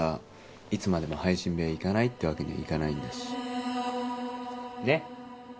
いつまでも配信部屋行かないってわけにはいかないんだしねっ！